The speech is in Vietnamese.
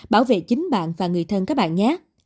bảo vệ chính bạn và người thân các bạn nhé